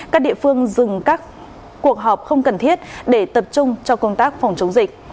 các địa phương dừng các cuộc họp không cần thiết để tập trung cho công tác phòng chống dịch